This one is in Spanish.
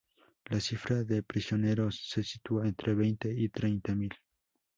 La cifra de prisioneros se sitúa entre veinte y treinta mil.